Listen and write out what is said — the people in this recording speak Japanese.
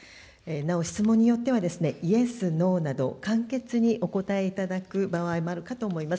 なお質問によっては、イエス、ノーなど、簡潔にお答えいただく場合もあるかと思います。